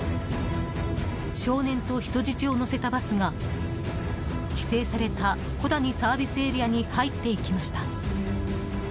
少年と人質を乗せたバスが規制された小谷ＳＡに入っていきました。